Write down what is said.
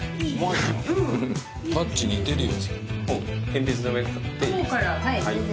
タッチ似てるよ。